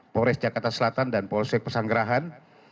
pores jakarta selatan dan polosek pesanggerahan